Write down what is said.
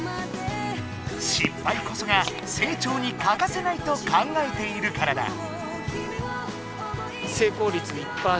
失敗こそが成長に欠かせないと考えているからだ。